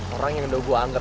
orang yang udah gue anggap